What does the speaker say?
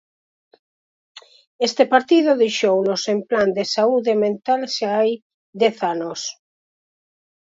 Este partido deixounos sen Plan de saúde mental xa hai dez anos.